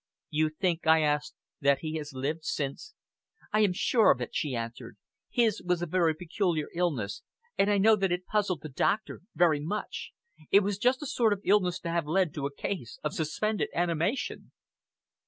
"You think," I asked, "that he has lived, since " "I am sure of it," she answered. "His was a very peculiar illness, and I know that it puzzled the doctor very much. It was just the sort of illness to have led to a case of suspended animation."